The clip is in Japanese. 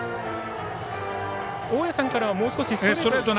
大矢さんからはもう少しストレートを。